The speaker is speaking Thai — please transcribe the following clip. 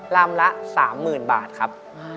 ลำละสามหมื่นบาทครับ